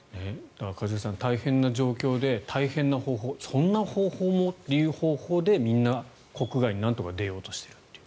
一茂さん大変な状況で大変な方法そんな方法でという方法でみんな国外になんとか出ようとしているという。